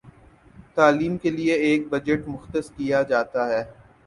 تعلیم کے لیے ایک بجٹ مختص کیا جاتا ہے